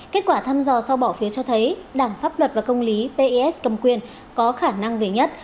kết quả thăm dò sau bỏ phiếu cho thấy đảng pháp luật và công lý pes cầm quyền có khả năng về nhất